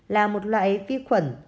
là một loại vi khuẩn